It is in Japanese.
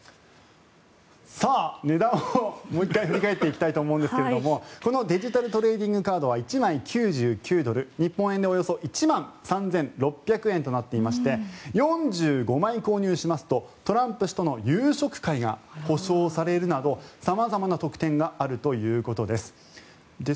さあ、値段をもう一回振り返っていきたいと思うんですがこのデジタルトレーディングカードは１枚９９ドル日本円でおよそ１万３６００円となっていまして４５枚購入しますとトランプ氏との夕食会が保証されるなど、様々な特典があるということです。